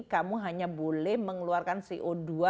kamu hanya boleh mengeluarkan co dua